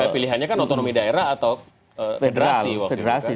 pilihannya kan otonomi daerah atau federasi